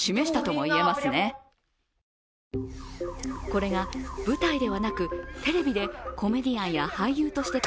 これが舞台ではなくテレビでコメディアンや俳優として